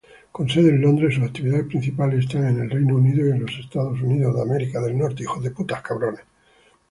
Con sede en Londres, sus actividades principales están en Reino Unido y Estados Unidos.